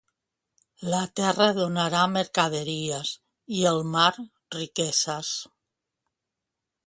La terra donarà mercaderies, i el mar, riqueses.